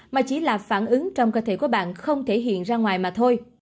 mà chỉ là phản ứng trong cơ thể của bạn không thể hiện ra ngoài mà thôi